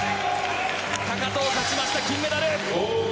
高藤勝ちました、金メダル！